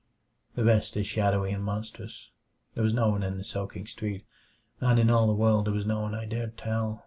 The rest is shadowy and monstrous. There was no one in the soaking street, and in all the world there was no one I dared tell.